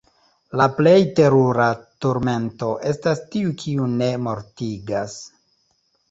La plej terura turmento estas tiu, kiu ne mortigas!